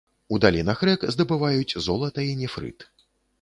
У далінах рэк здабываюць золата і нефрыт.